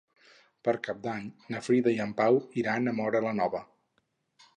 Per Cap d'Any na Frida i en Pau iran a Móra la Nova.